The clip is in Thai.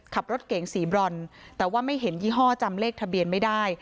ขับรถเก่งสีบรอนแต่ว่าไม่เห็นยี่ห้อจำเลขทะเบียนไม่ได้